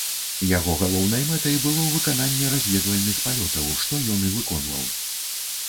Яго галоўнай мэтай было выкананне разведвальных палётаў, што ён і выконваў.